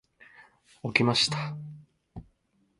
起きました。